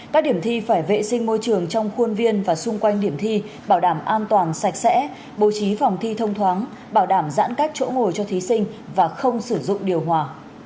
các điểm thi phải vệ sinh môi trường trong khuôn viên và xung quanh điểm thi bảo đảm an toàn sạch sẽ bố trí phòng thi thông thoáng bảo đảm giãn cách chỗ ngồi cho thí sinh và không sử dụng điều hòa